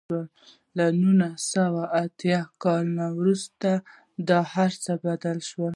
له نولس سوه اتیا کال وروسته دا هر څه بدل شول.